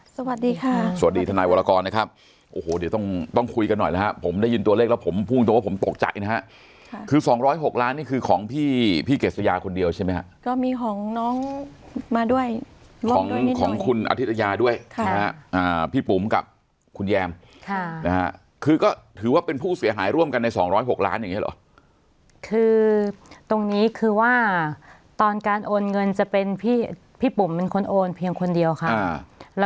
สวัสดีค่ะสวัสดีธนายวรากรนะครับโอ้โหเดี๋ยวต้องคุยกันหน่อยนะครับผมได้ยินตัวเลขแล้วผมพูดตัวว่าผมตกใจนะครับคือสองร้อยหกล้านนี่คือของพี่เกษยาคนเดียวใช่ไหมครับก็มีของน้องมาด้วยร่วมด้วยนิดหน่อยของคุณอธิษยาด้วยพี่ปุ๋มกับคุณแยมคือก็ถือว่าเป็นผู้เสียหายร่วมกันในสองร้อยหก